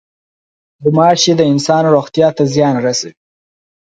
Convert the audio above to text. غوماشې د انسان روغتیا ته زیان رسوي.